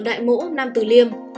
ở đại mỗ nam tử liêm